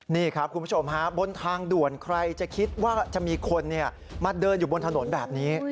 นี่ครับคุณผู้ชมฮะบนทางด่วนใครจะคิดว่าจะมีคนมาเดินอยู่บนถนนแบบนี้